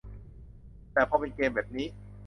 แต่พอเป็นเกมแบบนี้